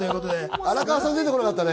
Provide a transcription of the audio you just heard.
荒川さん、出てこなかったね。